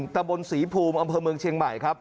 ตะบนศรีภูมิอำเภอเมืองเชียงใหม่ครับ